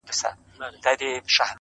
دا بهار، او لاله زار، او ګلشن زما دی!